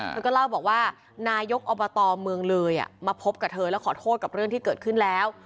เธอก็เล่าบอกว่านายกอบตเมืองเลยมาพบกับเธอแล้วขอโทษกับเรื่องที่เกิดขึ้นแล้ว